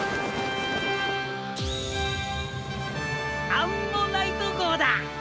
アンモナイト号だ！